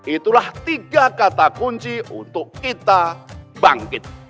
itulah tiga kata kunci untuk kita bangkit